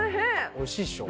美味しいっしょ？